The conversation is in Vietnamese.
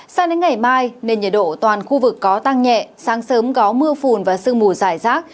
sang đến ngày mai nền nhiệt độ toàn khu vực có tăng nhẹ sáng sớm có mưa phùn và sương mù dài rác